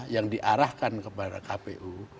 yang diarahkan kepada kpu